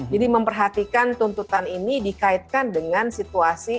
jadi memperhatikan tuntutan ini dikaitkan dengan situasi